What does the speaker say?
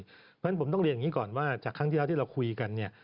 เพราะฉะนั้นผมต้องเรียนอย่างนี้ก่อนว่าจากครั้งที่เราคุยกัน